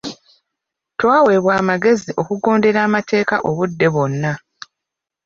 Twaweebwa amagezi okugondera amateeka obudde bwonna.